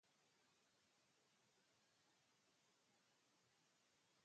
Dos estudiantes se unieron.